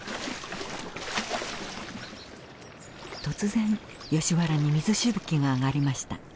突然ヨシ原に水しぶきが上がりました。